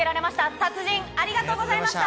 達人、ありがとうございました。